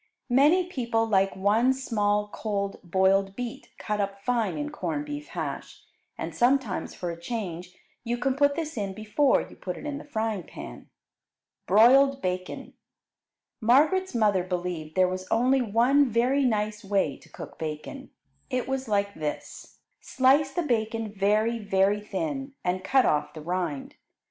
Many people like one small cold boiled beet cut up fine in corned beef hash, and sometimes for a change you can put this in before you put it in the frying pan. Broiled Bacon Margaret's mother believed there was only one very nice way to cook bacon. It was like this: Slice the bacon very, very thin, and cut off the rind.